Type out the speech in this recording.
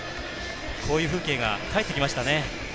こういう風景が帰ってきましたね。